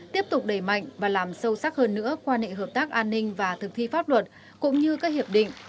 tiếp tục đẩy mạnh và làm sâu sắc hơn nữa qua nệ hợp tác an ninh và thực thi pháp luật